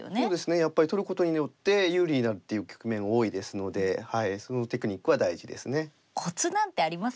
やっぱり取ることによって有利になっていく局面多いですのでそのテクニックは大事ですね。